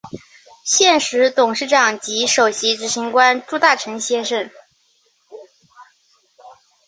现时董事长及首席执行官朱大成先生。